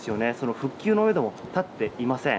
復旧のめども立っていません。